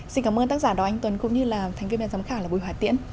xin cảm ơn tác giả đoàn anh tuấn cũng như là thành viên ban giám khảo là bùi hà tiễn